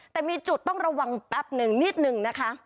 แต่มีจุดต้องระวังแป๊บหนึ่งนิดนึงนะคะ